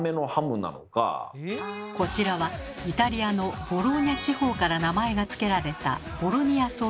こちらはイタリアのボローニャ地方から名前がつけられたボロニアソーセージ。